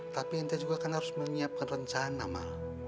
tapi aneh juga akan harus menyiapkan rencana ma